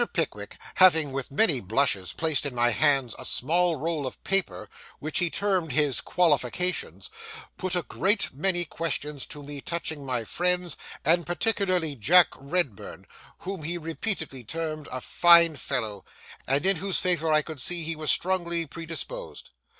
Pickwick, having with many blushes placed in my hands a small roll of paper, which he termed his 'qualification,' put a great many questions to me touching my friends, and particularly Jack Redburn, whom he repeatedly termed 'a fine fellow,' and in whose favour I could see he was strongly predisposed.